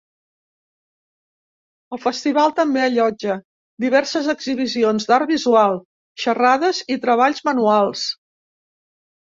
El festival també allotja diverses exhibicions d'art visual, xerrades i treballs manuals.